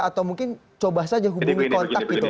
atau mungkin coba saja hubungi kontak gitu